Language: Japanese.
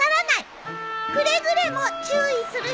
くれぐれも注意するように。